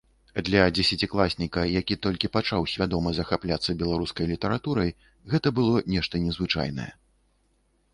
Для дзесяцікласніка, які толькі пачаў свядома захапляцца беларускай літаратурай, гэта было нешта незвычайнае.